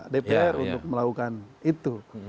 dpr untuk melakukan itu